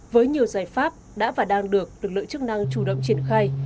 với nhiều giải pháp đã và đang được lợi chức năng chủ động triển khai